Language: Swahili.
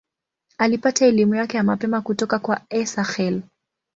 Alipata elimu yake ya mapema kutoka kwa Esakhel.